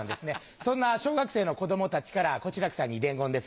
そんな小学生の子供たちから小痴楽さんに伝言です。